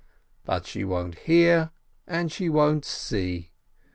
But she won't hear, and she won't see.